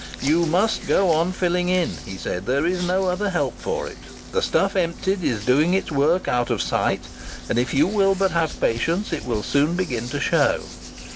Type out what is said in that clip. "You must go on filling in," he said; "there is no other help for it. The stuff emptied in is doing its work out of sight, and if you will but have patience, it will soon begin to show."